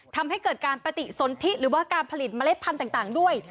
ทำให้เกิดการปฏิสนทิหรือว่าการผลิตเมล็ดพันธุ์ต่างด้วย